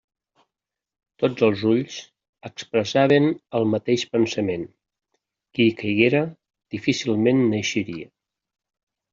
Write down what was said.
Tots els ulls expressaven el mateix pensament: qui hi caiguera, difícilment n'eixiria.